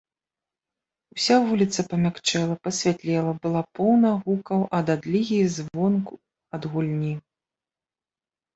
Уся вуліца памякчэла, пасвятлела, была поўна гукаў ад адлігі і звону ад гульні.